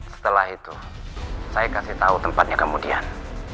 setelah itu saya kasih tahu tempatnya kemudian